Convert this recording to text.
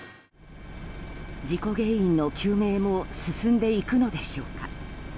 事故原因の究明も進んでいくのでしょうか。